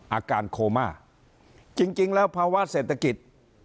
อาการโคม่าจริงแล้วภาวะเศรษฐกิจ